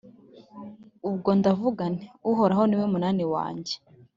Ubwo ndavuga nti «Uhoraho ni we munani wanjye,